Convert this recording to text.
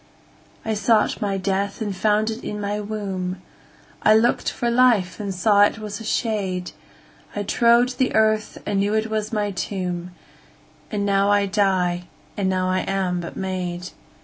13I sought my death and found it in my womb,14I lookt for life and saw it was a shade,15I trode the earth and knew it was my tomb,16And now I die, and now I am but made.